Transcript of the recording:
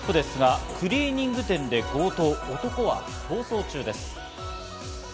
まずトップですが、クリーニング店で強盗、男は逃走中です。